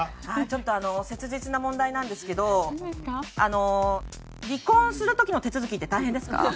ちょっとあの切実な問題なんですけど離婚する時の手続きって大変ですか？